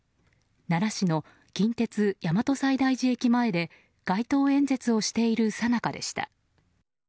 奈良市の近鉄大和西大寺駅前で街頭演説をしているさなかでした。